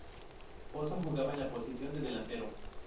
Pozo jugaba en la posición de delantero.